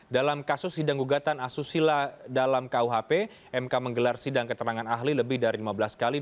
dalam kasus sidang gugatan asusila dalam kuhp mk menggelar sidang keterangan ahli lebih dari lima belas kali